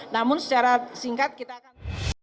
namun secara singkat kita akan